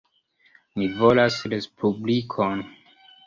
Ni volas respublikon.